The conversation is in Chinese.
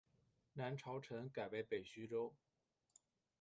南朝陈改为北徐州。